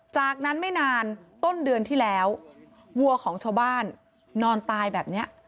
จากนั้นไม่นานต้นเดือนที่แล้ววัวของชาวบ้านนอนตายแบบนี้